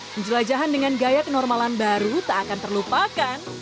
penjelajahan dengan gaya kenormalan baru tak akan terlupakan